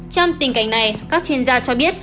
trong tình cảnh này các chuyên gia cho biết